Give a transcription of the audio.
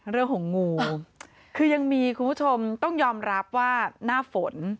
เรื่องของงูคือยังมีคุณผู้ชมต้องยอมรับว่าหน้าฝน